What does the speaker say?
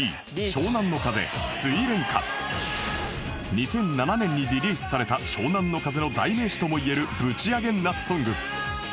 ２００７年にリリースされた湘南乃風の代名詞ともいえるブチ上げ夏ソング